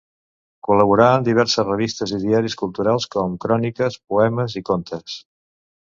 Col·laborà en diverses revistes i diaris culturals com cròniques, poemes i contes.